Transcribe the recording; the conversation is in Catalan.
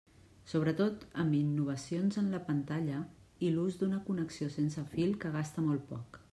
Sobretot amb innovacions en la pantalla i l'ús d'una connexió sense fil, que gasta molt poc.